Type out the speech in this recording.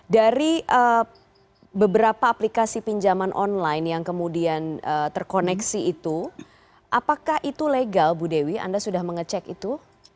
dari beberapa aplikasi pinjaman online yang kemudian terkoneksi itu apakah itu legal bu dewi anda sudah mengecek itu